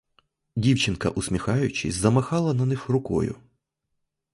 Дівчинка, усміхаючись, замахала на них рукою.